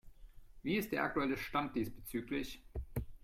Wie ist der aktuelle Stand diesbezüglich?